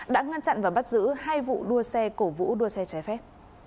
đã ngăn chặn và bắt giữ hai vụ đua xe cổ vũ đua xe trái phép